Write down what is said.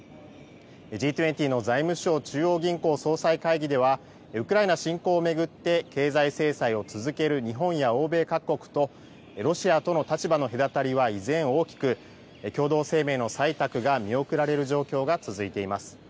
Ｇ２０の財務相・中央銀行総裁会議ではウクライナ侵攻を巡って経済制裁を続ける日本や欧米各国とロシアとの立場の隔たりは依然、大きく共同声明の採択が見送られる状況が続いています。